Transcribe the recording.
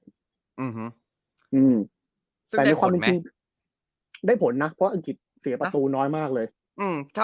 อืมแต่ในความจริงจริงได้ผลนะเพราะอังกฤษเสียประตูน้อยมากเลยอืม